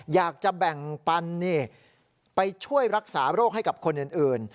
อยากจะแบ่งปันไปช่วยรักษาโรคให้กับคนอื่น